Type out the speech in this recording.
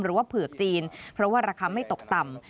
เผือกจีนเพราะว่าราคาไม่ตกต่ำ